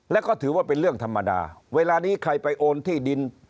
แล้วก็ถือว่าเป็นเรื่องธรรมดาเวลานี้ใครไปโอนที่ดิน